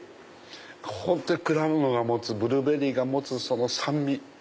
本当に果物が持つブルーベリーが持つ酸味。